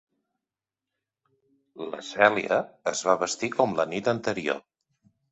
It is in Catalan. La Cèlia es va vestir com la nit anterior.